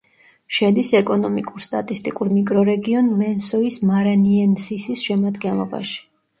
შედის ეკონომიკურ-სტატისტიკურ მიკრორეგიონ ლენსოის-მარანიენსისის შემადგენლობაში.